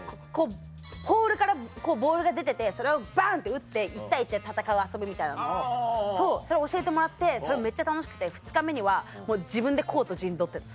ポールからボールが出ててそれをバンって打って１対１で戦う遊びみたいなのを教えてもらってそれめっちゃ楽しくて２日目には自分でコート陣取ってた。